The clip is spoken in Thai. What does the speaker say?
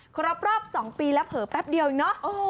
ครบรอบ๒ปีแล้วเผลอแป๊บเดียวเองเนอะ